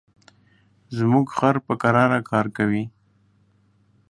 زموږ خر په کراره کار کوي.